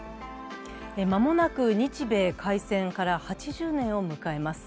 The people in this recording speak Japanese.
間もなく日米開戦から８０年を迎えます。